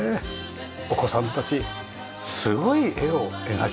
お子さんたちすごい絵を描きますね。